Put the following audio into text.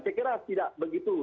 saya kira tidak begitu